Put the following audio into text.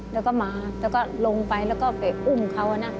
แล้วก็มาแล้วก็ลงไปแล้วก็ไปอุ้มเขานะ